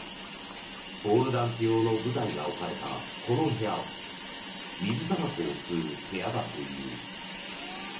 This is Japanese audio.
ポールダンス用の舞台が置かれたこの部屋は水たばこを吸う部屋だという。